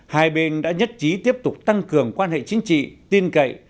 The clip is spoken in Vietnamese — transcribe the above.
hai bên đã nhất trí tiếp tục tăng cường quan hệ chính trị tin cậy